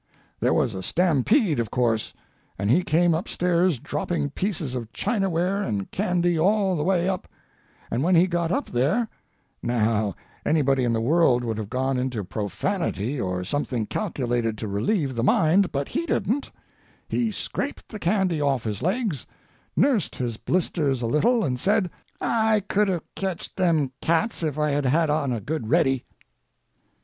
There was a stampede, of course, and he came up stairs dropping pieces of chinaware and candy all the way up, and when he got up there—now anybody in the world would have gone into profanity or something calculated to relieve the mind, but he didn't; he scraped the candy off his legs, nursed his blisters a little, and said, "I could have ketched them cats if I had had on a good ready."